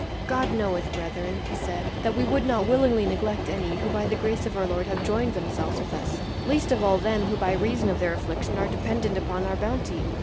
"God knoweth, brethren," he said, "that we would not willingly neglect any, who by the grace of our Lord have joined themselves with us; least of all them who by reason of their affliction are dependent upon our bounty.